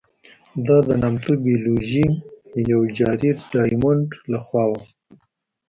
دا د نامتو بیولوژي پوه جارېډ ډایمونډ له خوا وه.